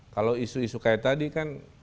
kalau isu isu kayak tadi kan